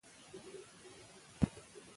که موږ په پښتو وغږېږو نو نږدېوالی پیدا کېږي.